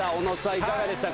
いかがでしたか？